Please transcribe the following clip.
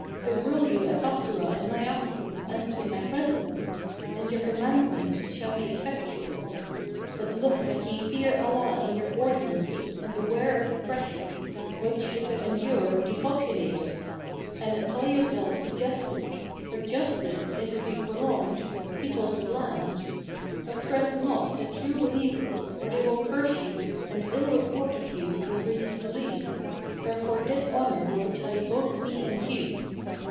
So rule you at Bassorah in my absence and in my presence, and your commandments shall be effectual; but look that ye fear Allah in your ordinances and beware of oppression, which if it endure depopulateth; and apply yourselves to justice, for justice, if it be prolonged, peopleth a land. Oppress not the True Believers, or they will curse you and ill report of you will reach the Caliph, wherefore dishonour will betide both me and you.